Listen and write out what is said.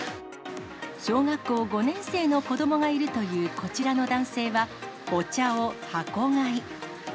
小学校５年生の子どもがいるというこちらの男性は、お茶を箱買い。